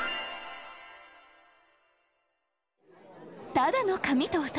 ただの紙とお札